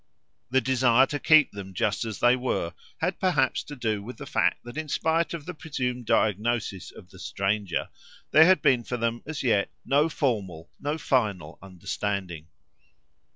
The desire to keep them just as they were had perhaps to do with the fact that in spite of the presumed diagnosis of the stranger there had been for them as yet no formal, no final understanding.